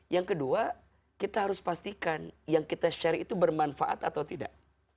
yang kedua kita harus pastikan yang kita share itu bermanfaat atau tidak